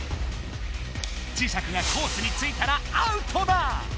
磁石がコースについたらアウトだ！